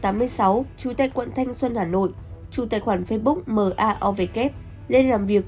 tại quận thanh xuân hà nội chủ tài khoản facebook maovk lên làm việc